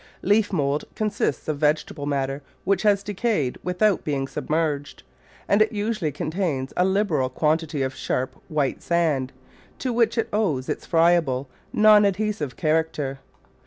Leaf mould consists of vegetable matter which has decayed without being submerged, and it usually contains a liberal quantity of sharp, white sand, to which it owes its friable, non adhesive char acter.